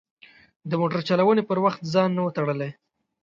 د موټر چلونې پر وخت ځان نه و تړلی.